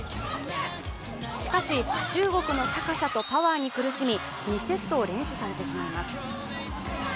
しかし中国の高さとパワーに苦しみ２セットを連取されてしまいます。